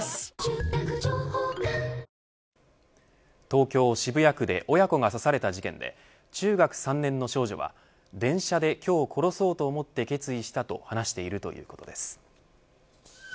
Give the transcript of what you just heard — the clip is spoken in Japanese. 東京、渋谷区で親子が刺された事件で中学３年の少女は電車で今日殺そうと思って決意したと話しているということです。